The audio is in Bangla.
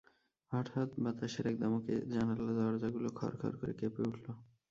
হঠাৎ বাতাসের এক দমকে জানলাদরজাগুলো খড় খড় করে কেঁপে উঠল।